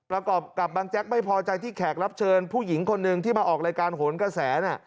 ประกอบกับบางแจ๊กไม่พอใจที่แขกรับเชิญผู้หญิงคนหนึ่งที่มาออกรายการโหนกระแส